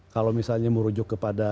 kalau misalnya merujuk kepada